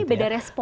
ini beda respon